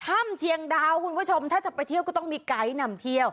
ถ้ำเชียงดาวคุณผู้ชมถ้าจะไปเที่ยวก็ต้องมีไกด์นำเที่ยว